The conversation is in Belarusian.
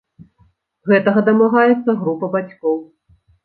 Гэтага дамагаецца група бацькоў.